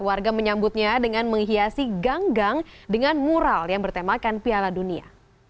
warga menyambutnya dengan menghiasi gang gang dengan mural yang bertemakan piala dunia